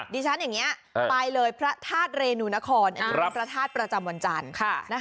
ดิฉันอย่างนี้ไปเลยพระธาตุเรนูนครพระธาตุประจำวันจันทร์